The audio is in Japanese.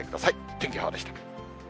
天気予報でした。